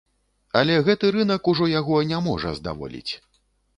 Але гэты рынак ужо яго не можа здаволіць.